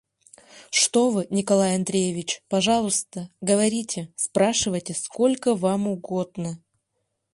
Что вы, Николай Андреевич, пожалуйста, говорите, спрашивайте, сколько вам угодно.